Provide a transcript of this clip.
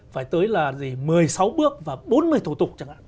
phải tới là gì một mươi sáu bước và bốn mươi thủ tục chẳng hạn